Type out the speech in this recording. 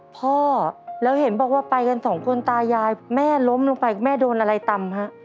พ่อแล้วเห็นบอกว่าไปกันสองคนตายายแม่ล้มลงไปแม่โดนอะไรตำฮะ